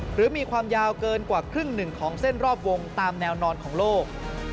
หรือมีความยาวเกินกว่าครึ่งหนึ่งของเส้นรอบวงตามแนวนอนของโลก